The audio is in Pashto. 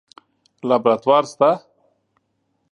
لابراتوار شته؟